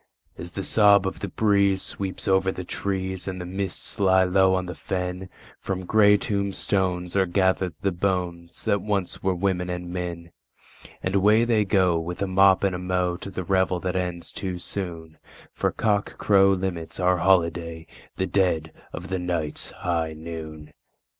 As the sob of the breeze sweeps over the trees, and the mists lie low on the fen, From grey tombstones are gathered the bones that once were women and men, And away they go, with a mop and a mow, to the revel that ends too soon, For cockcrow limits our holiday—the dead of the night's high noon!